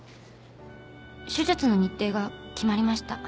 「手術の日程が決まりました。